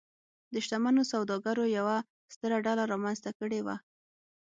د شتمنو سوداګرو یوه ستره ډله رامنځته کړې وه.